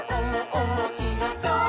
おもしろそう！」